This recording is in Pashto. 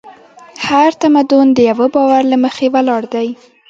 هر تمدن د یوه باور له مخې ولاړ دی.